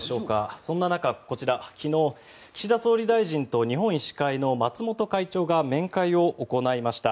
そんな中、こちら昨日、岸田総理大臣と日本医師会の松本会長が面会を行いました。